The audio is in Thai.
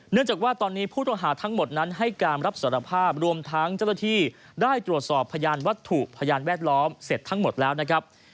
เนื่องจากว่าตอนนี้ผู้ต้องหาทั้งหมดนั้นให้การรับสารภาพรวมทั้งเจ้าหน้าที่ได้ตรวจสอบพยานวัตถุพยานแวดล้อมเสร็จทั้งหมดแล้วนะครับ